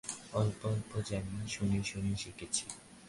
অল্প-অল্প জানি, শুনে-শুনে শিখেছি।